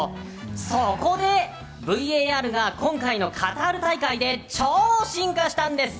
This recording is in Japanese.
そこでＶＡＲが今回のカタール大会で超進化したんです。